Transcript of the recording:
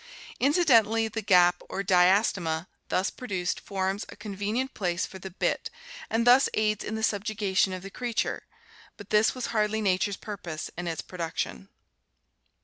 Incidentally the gap or diastema thus produced forms a convenient place for the bit and thus aids in the subjugation of the creature, but this was hardly nature's purpose in its production.